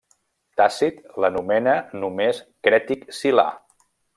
Tàcit l'anomena només Crètic Silà.